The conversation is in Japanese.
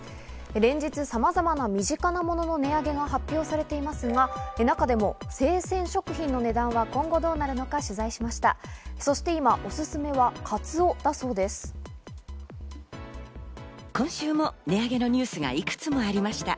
連日、さまざまな身近なものの値上げが発表されていますが、中でも生鮮食品の値段は今後どうなるのか取材しました。